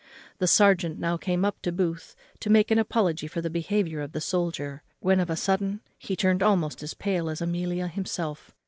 The serjeant now came up to Booth, to make an apology for the behaviour of the soldier, when, of a sudden, he turned almost as pale as Amelia herself.